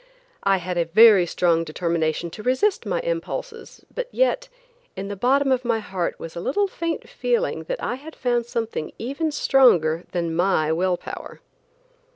I had a very strong determination to resist my impulses, but yet, in the bottom of my heart was a little faint feeling that I had found something even stronger than my will power.